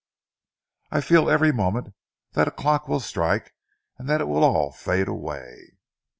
"I feel every moment that a clock will strike and that it will all fade away."